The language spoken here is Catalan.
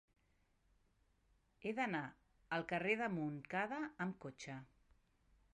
He d'anar al carrer de Montcada amb cotxe.